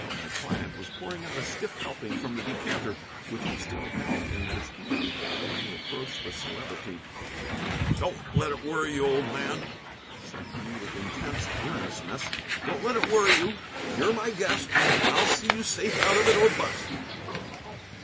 But my client was pouring out a stiff helping from the decanter, which he still held in his hand. Then he approached the Celebrity. "Don't let it worry you, old man," said he, with intense earnestness. "Don't let it worry you. You're my guest, and I'll see you safe out of it, or bust."